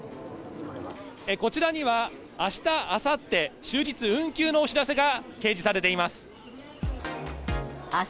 こちらにはあした、あさって、終日運休のお知らせが掲示されています。